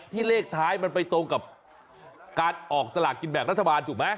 เลขท้ายมันไปตรงกับการออกสลากกินแบ่งรัฐบาลถูกไหม